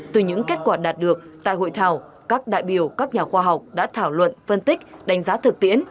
từ những kết quả đạt được tại hội thảo các đại biểu các nhà khoa học đã thảo luận phân tích đánh giá thực tiễn